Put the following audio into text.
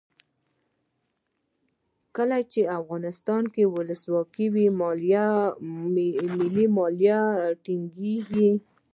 کله چې افغانستان کې ولسواکي وي ملي یووالی ټینګیږي.